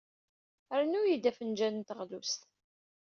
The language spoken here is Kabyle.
Rnu-iyi-d afenjal n teɣlust.